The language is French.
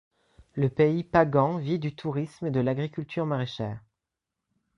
Le Pays pagan vit du tourisme et de l'agriculture maraîchère.